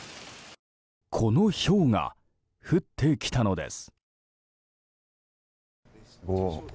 このひょうが降ってきたのです。